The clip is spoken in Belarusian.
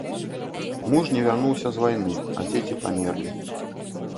Муж не вярнуўся з вайны, а дзеці памерлі.